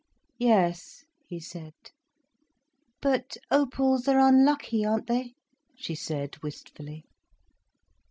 "Yes," he said. "But opals are unlucky, aren't they?" she said wistfully.